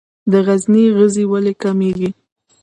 د غزني غزې ولې کمیږي؟